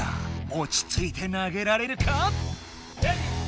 落ち着いて投げられるか？